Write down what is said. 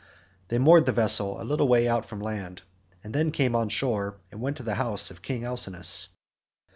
They moored the vessel a little way out from land, and then came on shore and went to the house of King Alcinous.